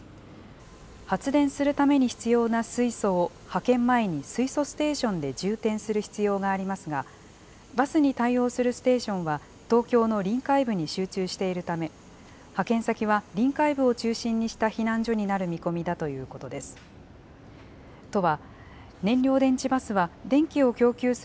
発電するために必要な水素を派遣前に水素ステーションで充填する必要がありますが、バスに対応するステーションは、東京の臨海部に集中しているため、派遣先は臨海部を中心にした避難所になる見込みだということです。